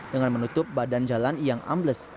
dengan menutup badan jalan yang ambles